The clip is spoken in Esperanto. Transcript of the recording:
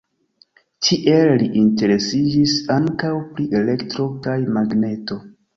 Tie li interesiĝis ankaŭ pri elektro kaj magneto.